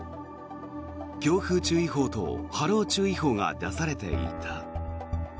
強風注意報と波浪注意報が出されていた。